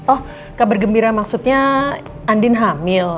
oh kabar gembira maksudnya andin hamil